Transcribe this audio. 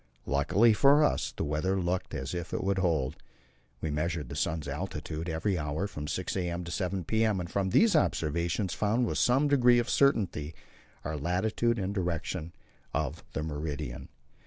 Luckily for us, the weather looked as if it would hold. We measured the sun's altitude at every hour from 6 a.m. to 7 p.m., and from these observations found, with some degree of certainty, our latitude and the direction of the meridian.